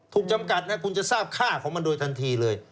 จำกัดนะคุณจะทราบค่าของมันโดยทันทีเลย